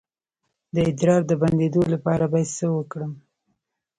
د ادرار د بندیدو لپاره باید څه وکړم؟